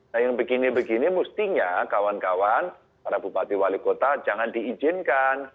nah yang begini begini mestinya kawan kawan para bupati wali kota jangan diizinkan